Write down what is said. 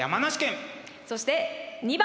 そして２番！